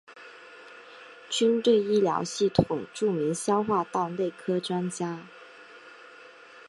军队医疗系统著名消化道内科专家。